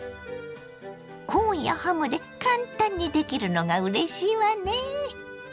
コーンやハムで簡単にできるのがうれしいわね。